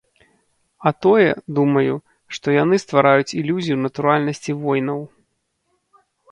А тое, думаю, што яны ствараюць ілюзію натуральнасці войнаў.